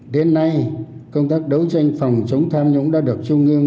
đến nay công tác đấu tranh phòng chống tham nhũng đã được trung ương